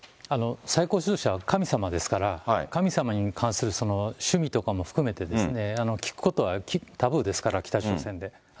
最高指導者は神様ですから、神様に関する趣味とかも含めてですね、聞くことはタブーですから、北朝鮮で。